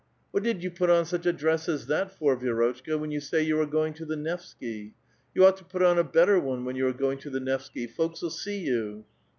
What did you put on such a dress as that for, Vi^rotehka, when you say you are going to tiie Nevsky. You ought to put on a better one when you *re going to the Nevsky ; folks'll see you."